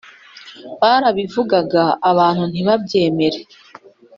Barabivugaga abantu ntibabyemere